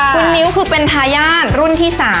คุณมิ้วคือเป็นทายาทรุ่นที่๓